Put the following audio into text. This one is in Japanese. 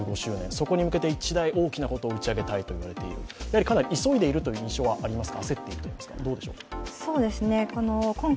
そこに向けて大きなものを打ち上げたいと言われているかなり急いでいるという印象はありますか？